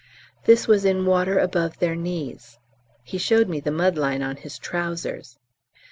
This was in water above their knees. He showed me the mud line on his trousers.